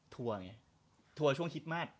ทัวร์ไงทัวร์ช่วงคิดมาก